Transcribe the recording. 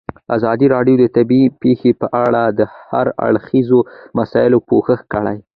ازادي راډیو د طبیعي پېښې په اړه د هر اړخیزو مسایلو پوښښ کړی.